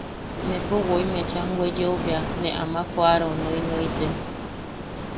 Nepo woi mecham weyeo bea ne amak joʼarau noinoiten.